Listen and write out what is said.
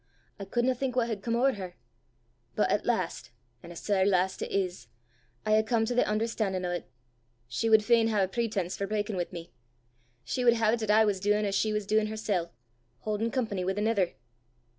I couldna think what had come ower her! But at last an' a sair last it is! I hae come to the un'erstan'in' o' 't: she wud fain hae a pretence for br'akin' wi' me! She wad hae 't 'at I was duin' as she was duin' hersel' haudin' company wi' anither!"